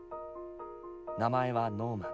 名前はノーマン。